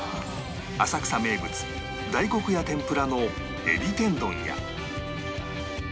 浅草名物大黒屋天麩羅の海老天丼や